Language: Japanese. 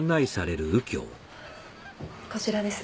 こちらです。